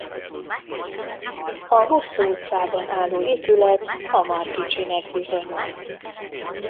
A Hosszú utcában álló épület hamar kicsinek bizonyult.